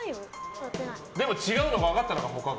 でも違うのが分かったのか他が。